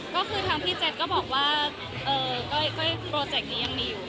ก็คือทางพี่เจ็ดก็บอกว่าโปรเจกต์นี้ยังมีอยู่